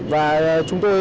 và chúng tôi